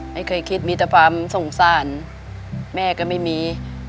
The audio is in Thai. ไม่เคยคิดมีแต่ความสงสารแม่ก็ไม่มี